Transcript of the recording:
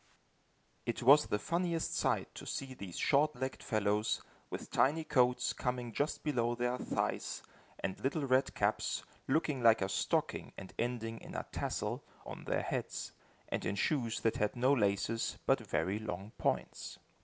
It was the funniest sight to see these short legged fellows, with tiny coats coming just below their thighs, and little red caps, looking like a stocking and ending in a tassel, on their heads, and in shoes that had no laces, but very long points.